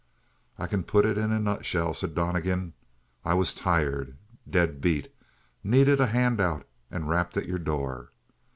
"I can put it in a nutshell," said Donnegan. "I was tired; dead beat; needed a handout, and rapped at your door.